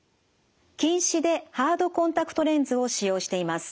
近視でハードコンタクトレンズを使用しています。